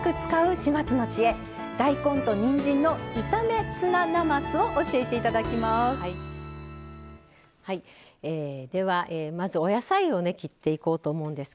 始末の知恵「大根とにんじんの炒めツナなます」を教えていただきます。